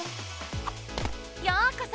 ようこそ！